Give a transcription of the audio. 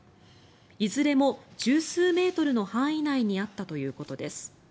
いずれも１０数メートルの範囲内にあったということです。